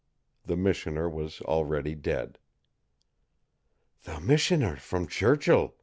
The missioner was already dead. "The missioner from Churchill!"